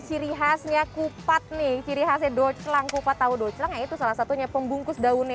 ciri khasnya kupat nih ciri khasnya doclang kupat tahu doclang itu salah satunya pembungkus daunnya